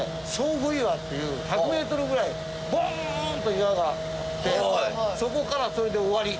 孀婦岩っていう１００メートルぐらいボーンと岩があってそこからそれで終わり。